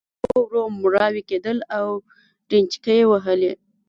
زما غوږونه ورو ورو مړاوي کېدل او ډينچکې وهلې.